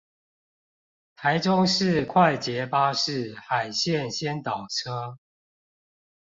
臺中市快捷巴士海線先導車